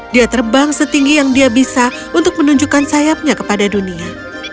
dia terbang setinggi yang dia bisa untuk menunjukkan sayapnya kepada dunia